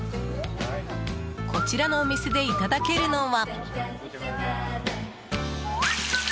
こちらのお店でいただけるのは。